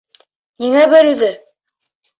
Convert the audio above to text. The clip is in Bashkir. Ниңә бер үҙе?